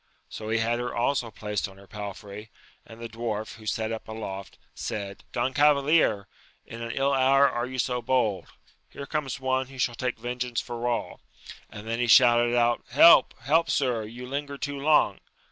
So he had her also placed on her palfrey ; and the dwarf, who sate up aloftj said, Don Cavalier, in an ill hour are you so bold : here comes one who shall take vengeance for all ! and then he shouted out, Help ! help, sir, you linger too long